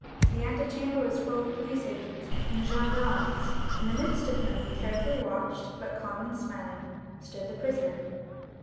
The antechamber was full of police agents and gendarmes, in the midst of whom, carefully watched, but calm and smiling, stood the prisoner.